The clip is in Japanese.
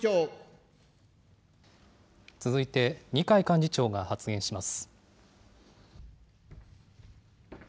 続いて、二階幹事長が発言します。